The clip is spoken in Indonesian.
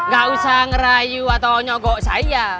gak usah ngerayu atau nyogok saya